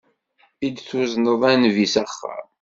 I d-tuzneḍ a Nnbi s axxam.